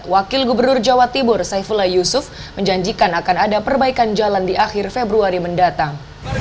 wakil gubernur jawa timur saifullah yusuf menjanjikan akan ada perbaikan jalan di akhir februari mendatang